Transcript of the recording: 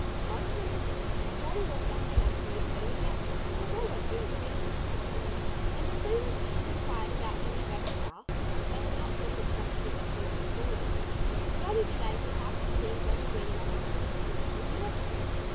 Over in the woods Jolly was lucky enough to meet Jimmy Rabbit, who was always very friendly toward him. And as soon as he had inquired about Jimmy Rabbit's health (they had not seen each other since the previous fall, you know), Jolly related how he had seen Johnnie Green knock off the head of the man in the orchard.